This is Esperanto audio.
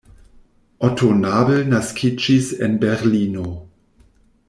Otto Abel naskiĝis en Berlino.